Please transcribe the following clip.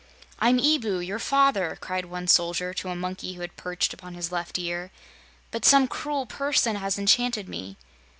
"I'm Ebu, your father," cried one soldier to a monkey who had perched upon his left ear, "but some cruel person has enchanted me."